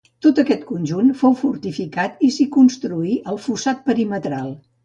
Tot aquest conjunt fou fortificat i s'hi construí el fossat perimetral.